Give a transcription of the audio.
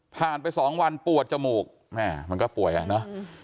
ไปสองวันปวดจมูกแม่มันก็ป่วยอ่ะเนอะ